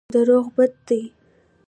دروغ بد دی.